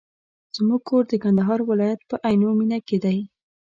زموږ کور د کندهار ولایت په عينو مېنه کي دی.